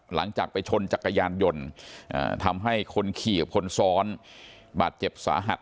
หลังจากไปชนจักรยานยนต์ทำให้คนขี่กับคนซ้อนบาดเจ็บสาหัส